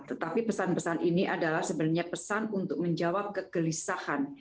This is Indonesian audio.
tetapi pesan pesan ini adalah sebenarnya pesan untuk menjawab kegelisahan